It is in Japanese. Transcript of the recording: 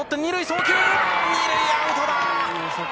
２塁アウトだ。